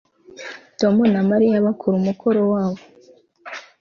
Tom na Mariya bakora umukoro wabo